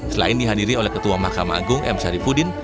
selain dihadiri oleh ketua mahkamah agung m syarifudin